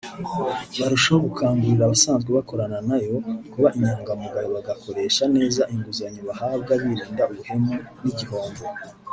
barushaho gukangurira abasanzwe bakorana na yo kuba inyangamugayo bagakoresha neza inguzanyo bahabwa birinda ubuhemu n’igihombo